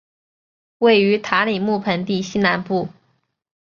位于塔里木盆地西南部。